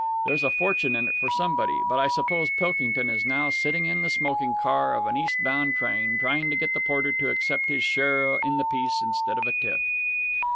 There's a fortune in it for somebody. But I suppose Pilkington is now sitting in the smoking car of an east bound train, trying to get the porter to accept his share in the piece instead of a tip!"